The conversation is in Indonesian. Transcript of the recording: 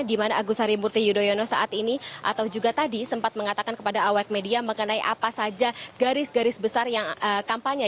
di mana agus harimurti yudhoyono saat ini atau juga tadi sempat mengatakan kepada awak media mengenai apa saja garis garis besar yang kampanye